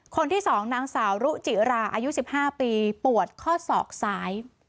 คนที่๒นางสาวรุจิราอายุ๑๕ปีปวดข้อศอกซ้าย